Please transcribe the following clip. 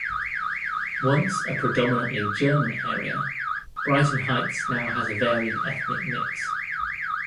Once a predominantly German area, Brighton Heights now has a varied ethnic mix.